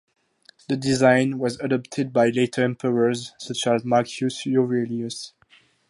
The design was adopted by later emperors such as Marcus Aurelius.